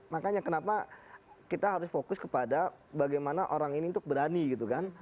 makanya kenapa kita harus fokus kepada bagaimana orang ini untuk berani gitu kan